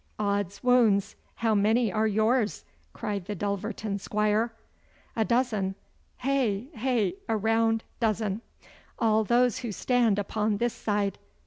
'Od's wounds! How many are yours!' cried the Dulverton squire. 'A dozen. Heh, heh! A round dozen. All those who stand upon this side.